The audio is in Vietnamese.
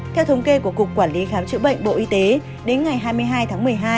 theo thống kê của cục quản lý khám chữa bệnh bộ y tế đến ngày hai mươi hai tháng một mươi hai